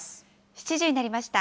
７時になりました。